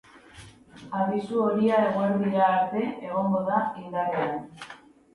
Abisu horia eguerdira arte egongo da indarrean.